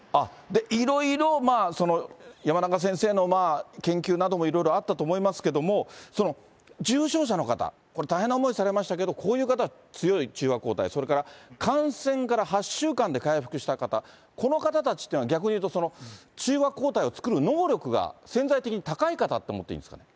いろいろ、山中先生の研究などもいろいろあったと思いますけども、重症者の方、これ、大変な思いされましたけれども、こういう方は強い中和抗体、それから、感染から８週間で回復した方、この方たちっていうのは、逆に言うと、その中和抗体を作る能力が潜在的に高い方って思っていいんですか。